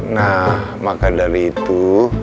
nah maka dari itu